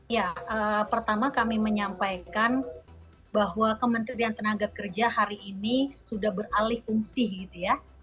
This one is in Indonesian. ya pertama kami menyampaikan bahwa kementerian tenaga kerja hari ini sudah beralih fungsi gitu ya